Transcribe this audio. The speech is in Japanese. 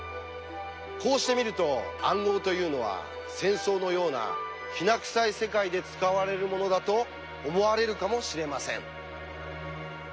こうして見ると暗号というのは戦争のようなきな臭い世界で使われるものだと思われるかもしれません。